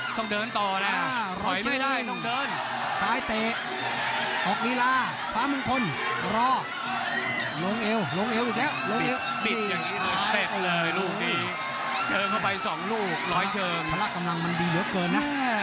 ยังต้องเดินต่อแหละหลอยไม่ได้ต้องเดิน